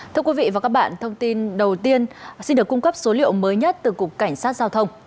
thưa quý vị và các bạn thông tin đầu tiên xin được cung cấp số liệu mới nhất từ cục cảnh sát giao thông